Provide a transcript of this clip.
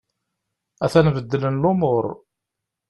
A-t-an beddlen lumur.